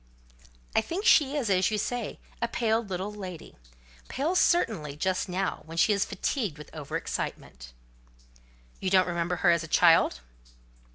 "I think she is, as you say, a pale little lady—pale, certainly, just now, when she is fatigued with over excitement." "You don't remember her as a child?"